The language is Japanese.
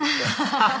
ハハハハ！